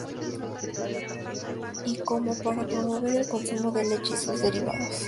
Yo Como", para promover el consumo de leche y sus derivados.